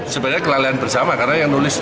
sebagai kelalaian bersama karena